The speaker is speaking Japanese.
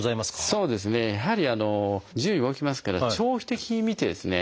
そうですねやはり自由に動きますから長期的に見てですね